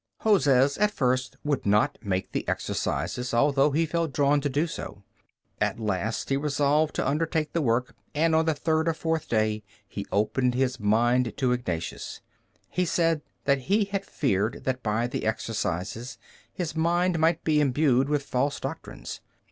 Hozes at first would not make the Exercises, although he felt drawn to do so. At last he resolved to undertake the work, and on the third or fourth day he opened his mind to Ignatius. He said that he had feared that by the Exercises his mind might be imbued with false doctrines.